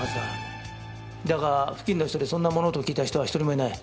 だが付近の人でそんな物音を聞いた人は１人もいない。